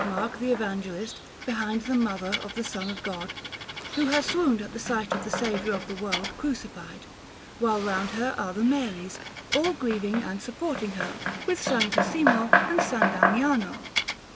Mark the Evangelist beside the Mother of the Son of God, who has swooned at the sight of the Saviour of the world Crucified, while round her are the Maries, all grieving and supporting her, with S. Cosimo and S. Damiano.